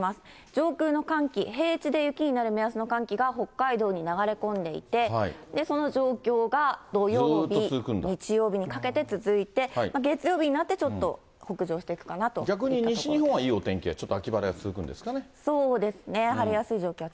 上空の寒気、平地で雪になる目安の寒気が北海道に流れ込んでいて、その状況が、土曜日、日曜日にかけて続いて、月曜日になってちょっと北上していくかなといった感逆に西日本はいいお天気、ちそうですね。